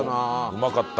うまかった。